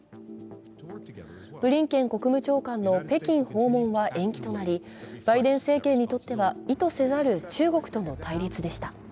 ブリンケン国務長官の北京訪問は延期となりバイデン政権にとっては意図せざる中国との対立でした。